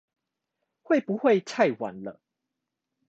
會不會太晚了？